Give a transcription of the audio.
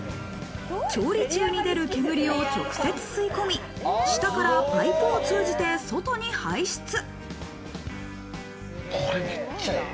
調理中に出る煙を直接吸い込み、下からパイプを通じて外に排出。